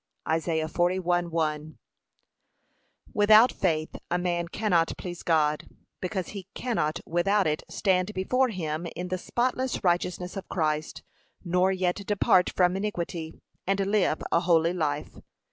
(Isa 41:1) Without faith a man cannot please God, because he cannot without it stand before him in the spotless righteousness of Christ, nor yet depart from iniquity, and live a holy life.